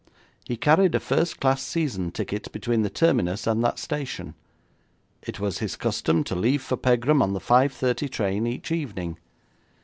He carried a first class season ticket between the terminus and that station. It was his custom to leave for Pegram on the 5.30 train each evening.